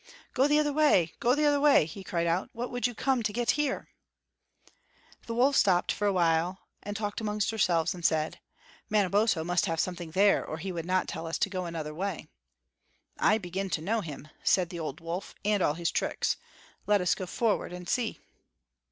"Go the other way, go the other way!" he cried out; "what would you come to get here?" The wolves stopped for a while and talked among themselves, and said: "Manabozho must have something there, or he would not tell us to go another way." "I begin to know him," said the old wolf, "and all his tricks. Let us go forward and see."